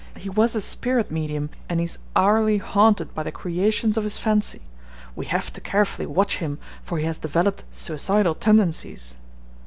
'He was a spirit medium and he is hourly haunted by the creations of his fancy. We have to carefully watch him, for he has developed suicidal tendencies.'